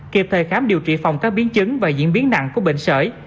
kịp thời khám điều trị phòng các biến chứng và diễn biến nặng của bệnh sởi